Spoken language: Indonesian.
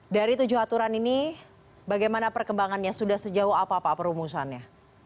dari tujuh aturan ini bagaimana perkembangannya sudah sejauh apa pak perumusannya